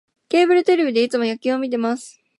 ケーブルテレビでいつも野球を観てます